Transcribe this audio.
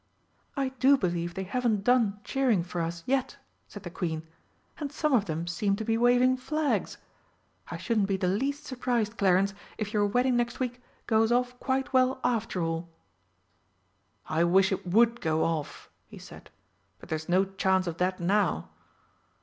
"I do believe they haven't done cheering for us yet!" said the Queen. "And some of them seem to be waving flags! I shouldn't be the least surprised, Clarence, if your wedding next week goes off quite well after all!" "I wish it would go off," he said, "but there's no chance of that now!"